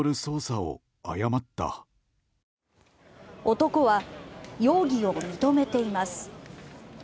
男は容疑を認めています。